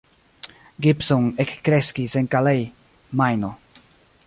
Gibson ekkreskis en Calais, Majno.